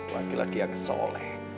laki laki yang sholat